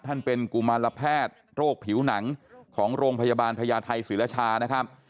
เป็นกุมารแพทย์โรคผิวหนังของโรงพยาบาลพญาไทยศิรชานะครับ